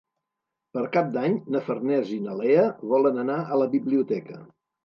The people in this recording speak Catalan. Per Cap d'Any na Farners i na Lea volen anar a la biblioteca.